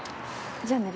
じゃあね稜。